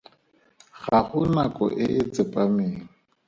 Ga go nako e e tsepameng.